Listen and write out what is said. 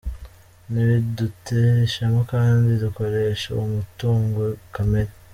Nibidutere ishema kandi dukoreshe uwo mutungo kamere”.